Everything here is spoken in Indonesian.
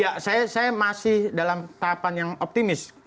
ya saya masih dalam tahapan yang optimis